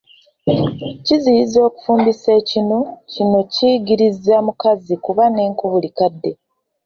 Kizira okufumbisa ekinu, kino kiyigiriza mukazi kuba n’enku buli kadde.